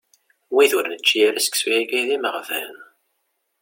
Wid ur nečči ara seksu-yagi d imeɣban.